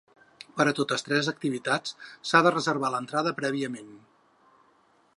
Per a totes tres activitats, s’ha de reservar l’entrada prèviament.